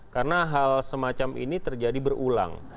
karena hal semacam ini terjadi berulang